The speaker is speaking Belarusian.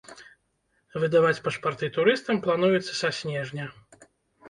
Выдаваць пашпарты турыстам плануецца са снежня.